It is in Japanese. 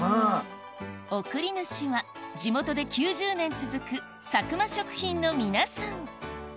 送り主は地元で９０年続く佐久間食品の皆さん